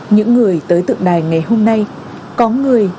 những người tới tượng đài ngày hôm nay có người